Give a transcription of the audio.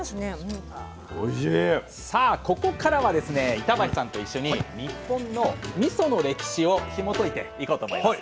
さあここからはですね板橋さんと一緒に日本のみその歴史をひもといていこうと思います。